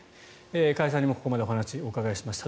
加谷さんにもここまでお話をお伺いしました。